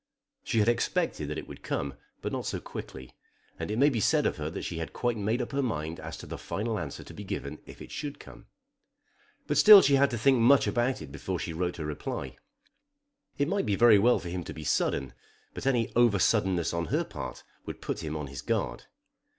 She had expected that it would come, but not so quickly; and it may be said of her that she had quite made up her mind as to the final answer to be given if it should come. But still she had to think much about it before she wrote her reply. It might be very well for him to be sudden, but any over suddenness on her part would put him on his guard.